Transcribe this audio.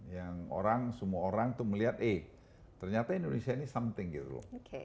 yang orang semua orang tuh melihat eh ternyata indonesia ini something gitu loh